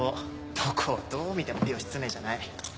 どこをどう見ても義経じゃない。